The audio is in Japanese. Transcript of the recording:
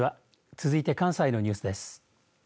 続いて関西のニュースです。